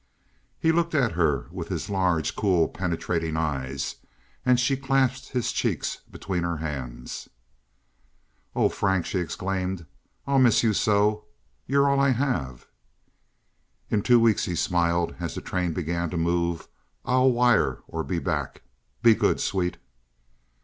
He looked at her with his large, cool, penetrating eyes, and she clasped his cheeks between her hands. "Oh, Frank," she exclaimed, "I'll miss you so! You're all I have." "In two weeks," he smiled, as the train began to move, "I'll wire or be back. Be good, sweet."